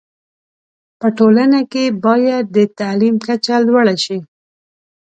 په ټولنه کي باید د تعلیم کچه لوړه شی